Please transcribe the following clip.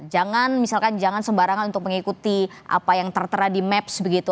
jangan misalkan jangan sembarangan untuk mengikuti apa yang tertera di maps begitu